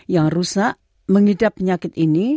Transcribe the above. yang rusak mengidap penyakit ini